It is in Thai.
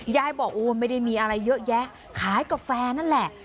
ยายบอกโอ้ไม่ได้มีอะไรเยอะแยะขายกาแฟนั่นแหละ